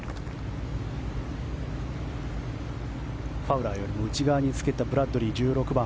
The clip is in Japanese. ファウラーよりも内側につけたブラッドリー、１６番。